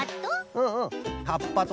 うんうんはっぱと。